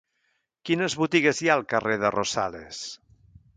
Quines botigues hi ha al carrer de Rosales?